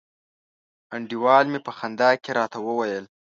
انډیوال می په خندا کي راته وویل